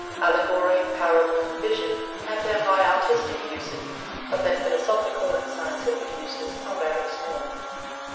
Allegory, parable, and vision have their high artistic uses, but their philosophical and scientific uses are very small.